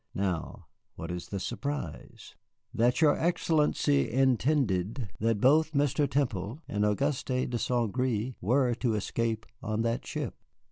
Now what is the surprise?" "That your Excellency intended that both Mr. Temple and Auguste de St. Gré were to escape on that ship."